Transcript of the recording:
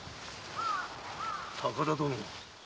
高田殿。